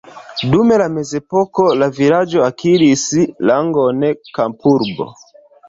Dum la mezepoko la vilaĝo akiris rangon kampurbo.